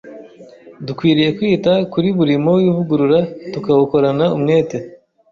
Dukwiriye kwita kuri buri murimo w’ivugurura tukawukorana umwete,